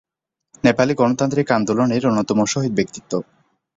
নেপালের গণতান্ত্রিক আন্দোলনের অন্যতম শহীদ ব্যক্তিত্ব।